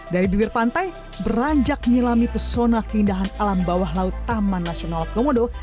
dari bibir pantai beranjak menyelami pesona keindahan alam bawah laut taman nasional komodo